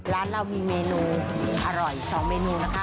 ร้านเรามีเมนูอร่อย๒เมนูนะคะ